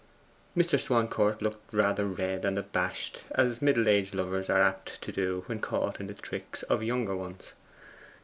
Mr. Swancourt looked rather red and abashed, as middle aged lovers are apt to do when caught in the tricks of younger ones.